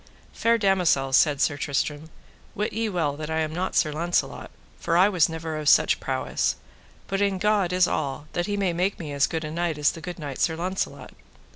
Fair damosel, said Sir Tristram, wit ye well that I am not Sir Launcelot, for I was never of such prowess, but in God is all that he may make me as good a knight as the good knight Sir Launcelot.